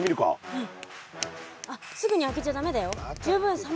うん。